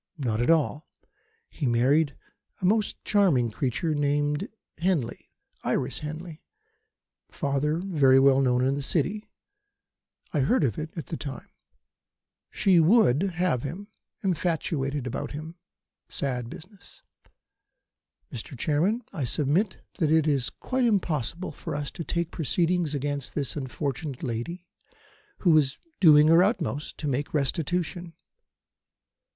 Not at all. He married a most charming creature named Henley Iris Henley father very well known in the City. I heard of it at the time. She would have him infatuated about him sad business. Mr. Chairman, I submit that it is quite impossible for us to take proceedings against this unfortunate lady, who is doing her utmost to make restitution."